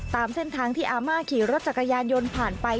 ตามเส้นทางที่อาม่าขี่รถจักรยานยนต์ผ่านไป